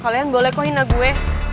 kalian boleh kok hina gue